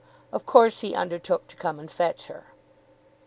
Of course he undertook to come and fetch her.